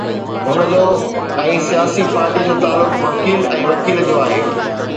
هن جو ۽ سياسي پارٽيءَ جو تعلق وڪيل ۽ وڪيل جو آهي.